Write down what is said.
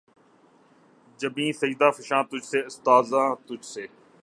جبینِ سجدہ فشاں تجھ سے‘ آستاں تجھ سے